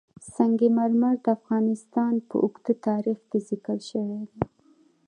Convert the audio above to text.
سنگ مرمر د افغانستان په اوږده تاریخ کې ذکر شوی دی.